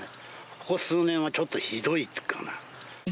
ここ数年はちょっとひどいっていうかな。